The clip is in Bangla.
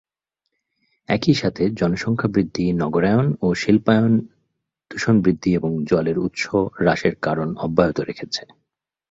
একই সাথে জনসংখ্যা বৃদ্ধি, নগরায়ন ও শিল্পায়ন দূষণ বৃদ্ধি এবং জলের উৎস হ্রাসের কারণ অব্যাহত রেখেছে।